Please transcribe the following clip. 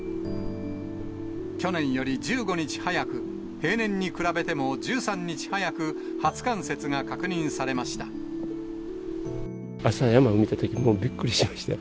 去年より１５日早く、平年に比べても１３日早く、朝、山を見たとき、もうびっくりしました。